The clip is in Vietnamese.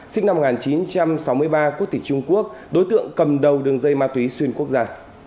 sinh năm một nghìn chín trăm sáu mươi ba quốc tịch trung quốc đối tượng cầm đầu đường dây ma túy xuyên quốc gia